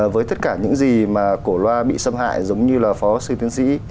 với tất cả những gì mà cổ loa bị xâm hại giống như là phó sư tiến sĩ